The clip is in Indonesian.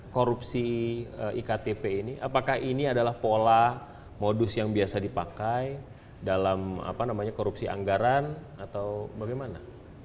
korupsi iktp ini apakah ini adalah pola modus yang biasa dipakai dalam korupsi anggaran atau bagaimana